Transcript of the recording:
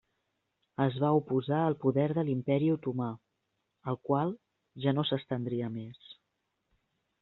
Es va oposar al poder de l'Imperi otomà, el qual ja no s'estendria més.